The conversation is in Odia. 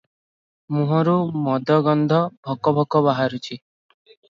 ମୁହଁରୁ ମଦଗନ୍ଧ ଭକ ଭକ ବାହାରୁଛି ।